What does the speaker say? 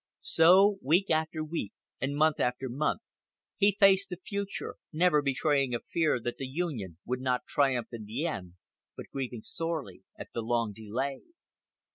So, week after week and month after month, he faced the future, never betraying a fear that the Union would not triumph in the end, but grieving sorely at the long delay.